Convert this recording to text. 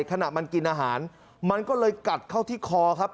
ขณะมันกินอาหารมันก็เลยกัดเข้าที่คอครับ